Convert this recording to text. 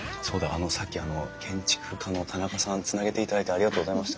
あのさっき建築家の田中さんつなげていただいてありがとうございました。